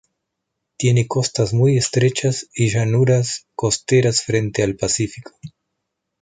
Tiene costas muy estrechas y llanuras costeras frente al Pacífico.